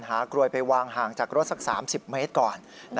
กลวยไปวางห่างจากรถสัก๓๐เมตรก่อน